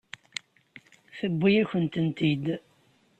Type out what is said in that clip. Tewwi-yakent-tent-id.